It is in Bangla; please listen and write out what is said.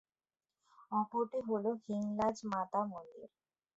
অপরটি হল হিংলাজ মাতা মন্দির।